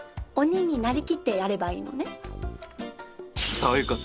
そういうこと！